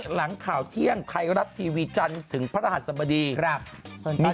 หลังข่าวเที่ยงไทยรัฐทีวีจันทร์ถึงพระรหัสบดีครับสวัสดี